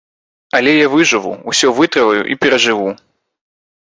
Але я выжыву, усё вытрываю і перажыву!